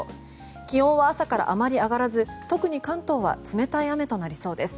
気温は朝からあまり上がらず特に関東は冷たい雨となりそうです。